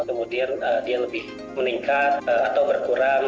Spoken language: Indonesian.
kemudian dia lebih meningkat atau berkurang